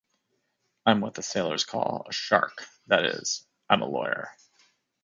I'm what the sailors call a shark, that is, I'm a lawyer.